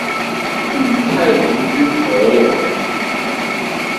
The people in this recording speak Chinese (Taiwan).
與太平軍合流